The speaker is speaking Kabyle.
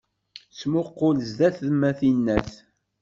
Ttmuqul zdat-m, a tinnat!